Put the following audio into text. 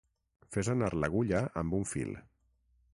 Fes anar l'agulla amb un fil.